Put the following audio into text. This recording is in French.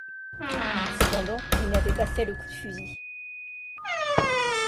Cependant, il n'avait pas fait le coup de fusil.